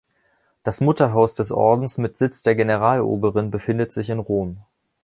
Das Mutterhaus des Ordens mit Sitz der Generaloberin befindet sich in Rom.